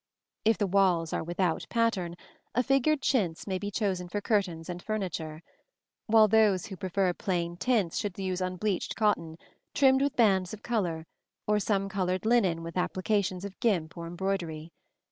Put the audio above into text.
If the walls are without pattern, a figured chintz may be chosen for curtains and furniture; while those who prefer plain tints should use unbleached cotton, trimmed with bands of color, or some colored linen with applications of gimp or embroidery.